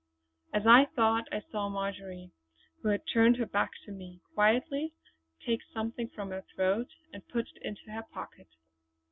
As I thought, I saw Marjory who had turned her back to me, quietly take something from her throat and put it into her pocket.